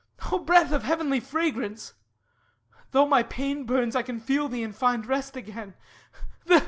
O breath of heavenly fragrance! Though my pain Burns, I can feel thee and find rest again.